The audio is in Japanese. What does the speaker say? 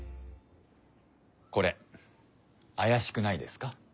これあやしくないですか？